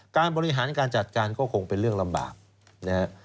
การบริหารการจัดการก็คงเป็นเรื่องลำบากนะฮะ